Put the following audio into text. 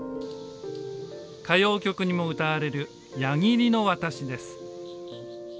歌謡曲にも歌われる矢切の渡しです。